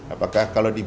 apakah kalau dibuat